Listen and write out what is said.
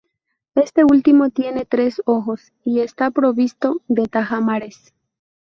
Este último tiene tres ojos, y está provisto de tajamares.